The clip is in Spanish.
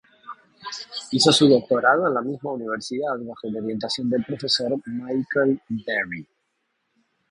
Hizo su doctorado en la misma universidad bajo la orientación del profesor Michael Berry.